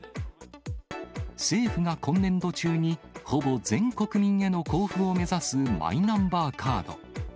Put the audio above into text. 政府が今年度中にほぼ全国民への交付を目指すマイナンバーカード。